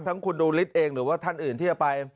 คุณดูฤทธิ์เองหรือว่าท่านอื่นที่จะไป